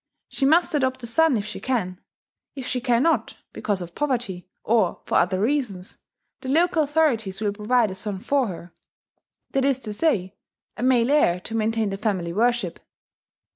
She must adopt a son if she can: if she cannot, because of poverty, or for other reasons, the local authorities will provide a son for her, that is to say, a male heir to maintain the family worship.